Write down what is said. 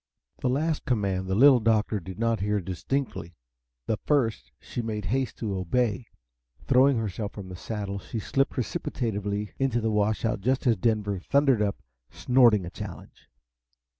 The last command the Little Doctor did not hear distinctly. The first she made haste to obey. Throwing herself from the saddle, she slid precipitately into the washout just as Denver thundered up, snorting a challenge.